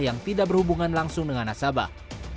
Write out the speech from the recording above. yang tidak berhubungan langsung dengan nasabah